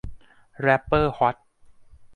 แรปเปอร์ฮอต